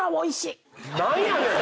何やねん！